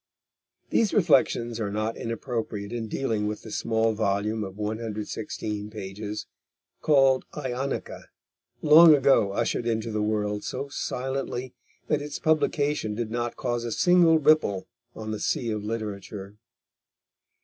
These reflections are not inappropriate in dealing with the small volume of 116 pages called Ionica, long ago ushered into the world so silently that its publication did not cause a single ripple on the sea of literature.